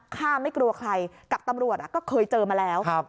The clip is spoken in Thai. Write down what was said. ข้าไม่กลัวใครกับตำรวจอ่ะก็เคยเจอมาแล้วครับ